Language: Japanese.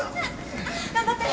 頑張って！